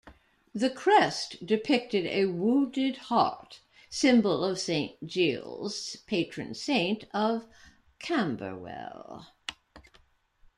The crest depicted a wounded hart, symbol of Saint Giles, patron saint of Camberwell.